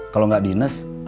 kalau gak dines